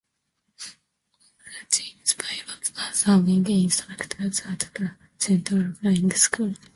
All the team's pilots are serving instructors at the Central Flying School.